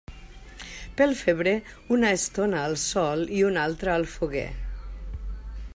Pel febrer, una estona al sol i una altra al foguer.